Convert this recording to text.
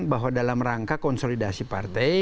bahwa dalam rangka konsolidasi partai